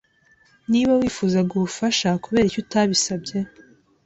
Niba wifuzaga ubufasha, kuberiki utabisabye?